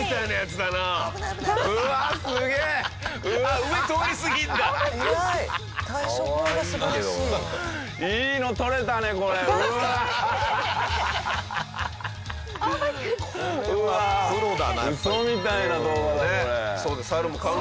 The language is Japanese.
ウソみたいな動画だこれ。